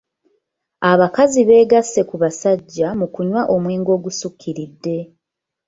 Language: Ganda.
Abakazi beegasse ku basajja mu kunywa omwenge ogusukkiridde.